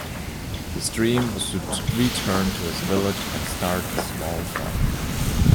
His dream was to return to his village and start a small farm.